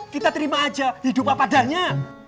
kita terima aja hidup apa padanya